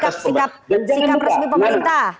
oke itu sikap resmi pemerintah